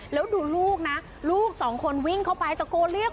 แล้วดูลูกนะลูกสองคนวิ่งเข้าไปตะโกนเรียก